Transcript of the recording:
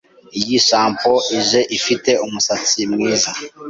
Iyi shampoo ije ifite umusatsi mwiza.